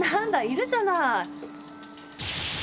いるじゃない。